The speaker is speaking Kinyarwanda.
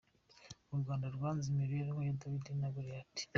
U Rwanda rwanze imibereho ya Dawidi na Goliyati.